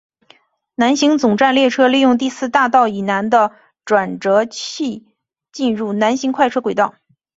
南行总站列车利用第四大道以西的转辙器进入南行快车轨道。